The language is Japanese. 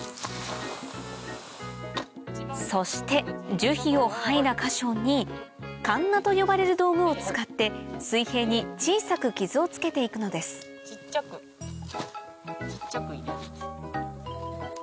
そして樹皮を剥いだ箇所にかんなと呼ばれる道具を使って水平に小さく傷をつけて行くのです小っちゃく。